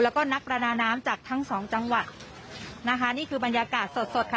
แล้วก็นักประดาน้ำจากทั้งสองจังหวัดนะคะนี่คือบรรยากาศสดสดค่ะ